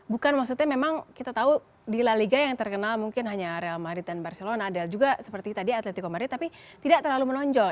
bukan maksudnya memang kita tahu di la liga yang terkenal mungkin hanya real madrid dan barcelona ada juga seperti tadi atletico madrid tapi tidak terlalu menonjol